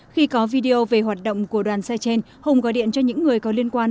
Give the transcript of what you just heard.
khi có video về hoạt động của đoàn xe trên hùng gọi điện cho những người có liên quan